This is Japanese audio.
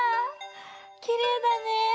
きれいだね。